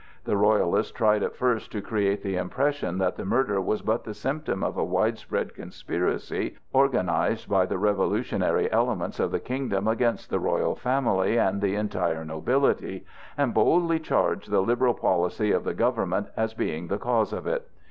The Royalists tried at first to create the impression that the murder was but the symptom of a widespread conspiracy organized by the revolutionary elements of the kingdom against the royal family and the entire nobility, and boldly charged the liberal policy of the government as being the cause of it.